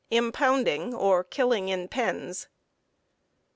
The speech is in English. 3. _Impounding or Killing in Pens.